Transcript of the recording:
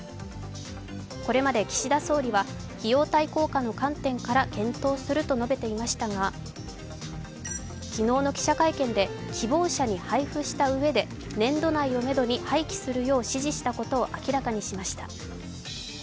これまで岸田総理は費用対効果の観点から検討すると述べていましたが昨日の記者会見で希望者に配布したうえで年度内をめどに廃棄するよう指示したことを明らかにしました。